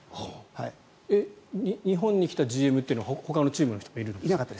日本に来たＧＭはほかのチームの人もいるんですか？